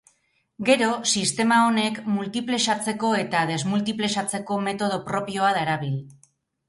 Gero, sistema honek multiplexatzeko eta desmultiplexatzeko metodo propioa darabil.